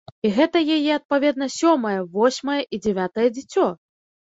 І гэта яе, адпаведна, сёмае, восьмае і дзявятае дзіцё!